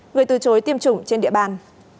người từ chối tiêm chủng trên địa bàn